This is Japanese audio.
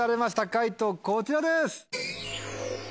解答こちらです。